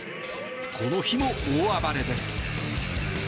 この日も大暴れです。